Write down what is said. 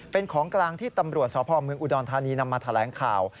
เป็นของกลางที่ตำรวจสพเมืองอุดรธานีนำมาแถลงข่าว